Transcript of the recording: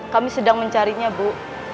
kami sedang mencarinya ibu